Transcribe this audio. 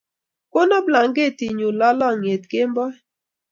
kono blanketitnyu lolonyet kemboi